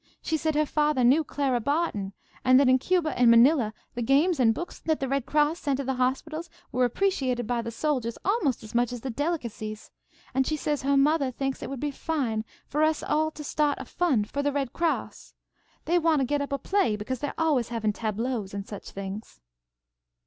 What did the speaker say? She said her fathah knew Clara Barton, and that in Cuba and Manila the games and books that the Red Cross sent to the hospitals were appreciated by the soldiahs almost as much as the delicacies. And she says her mothah thinks it would be fine for us all to start a fund for the Red Cross. They wanted to get up a play because they're always havin' tableaux and such things.